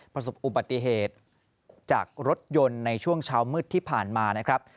ประสบอุบัติเหตุจากรถยนต์ในช่วงเช้ามืดที่ผ่านมานะครับ